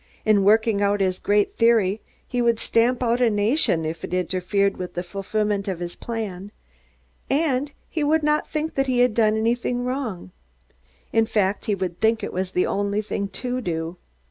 In working out his great theory, he would stamp out a nation if it interfered with the fulfillment of his plan, and he would not think that he had done anything wrong. In fact, he would think it the only thing to do.